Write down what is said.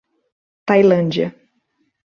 Tailândia